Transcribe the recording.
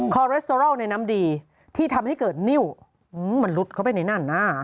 อเรสเตอรอลในน้ำดีที่ทำให้เกิดนิ้วมันลุดเข้าไปในนั้นนะ